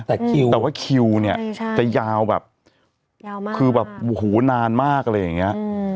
แต่ว่าคิวเนี่ยจะยาวแบบคือแบบหูนานมากอะไรอย่างนี้